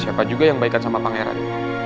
siapa juga yang baikan sama pangeran